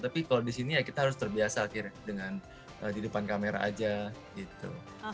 tapi kalau di sini ya kita harus terbiasa dengan di depan kamera aja gitu